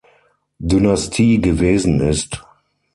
Dynastie gewesen ist.